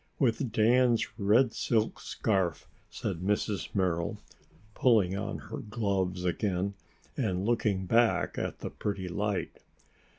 "With Dan's red silk scarf," said Mrs. Merrill, pulling on her gloves again, and looking back at the pretty light.